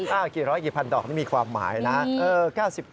ถ้ากี่ร้อยกี่พันดอกนี่มีความหมายนะ